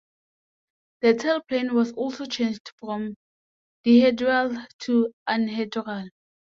The tailplane was also changed from dihedral to anhedral.